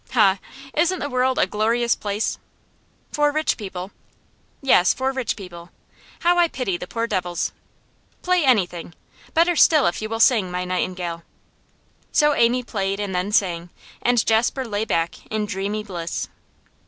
Ha! isn't the world a glorious place?' 'For rich people.' 'Yes, for rich people. How I pity the poor devils! Play anything. Better still if you will sing, my nightingale!' So Amy first played and then sang, and Jasper lay back in dreamy bliss.